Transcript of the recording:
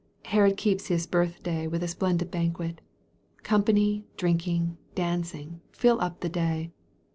Herod keeps his birth day with a splendid banquet. Company, drinking, dancing, fill up the day.